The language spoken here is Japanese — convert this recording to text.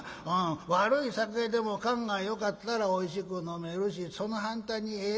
悪い酒でも燗がよかったらおいしく飲めるしその反対にええ